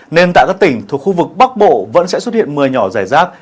nên tại các tỉnh thuộc khu vực bắc bộ vẫn sẽ xuất hiện mưa nhỏ rải rác